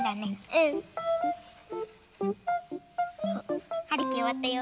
うん！はるきおわったよ。